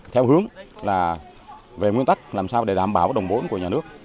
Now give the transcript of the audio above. theo hướng là về nguyên tắc làm sao để đảm bảo đồng vốn của nhà nước